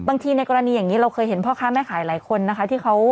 ในกรณีอย่างนี้เราเคยเห็นพ่อค้าแม่ขายหลายคนนะคะที่เขา